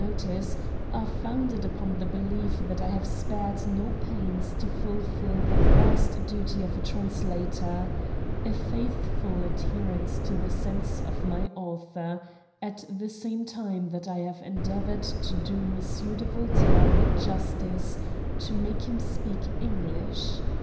notice, are founded upon the belief that I have spared no pains to fulfil the first duty of a translator— a faitliful adherence to the sense of my author, at the same time that I have endeavour. €d to do M. de Voltaire the justice to make him PKEFACE. i speak English.